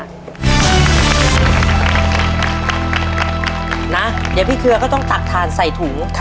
เดี๋ยวพี่เครือก็ต้องตักทานใส่ถุง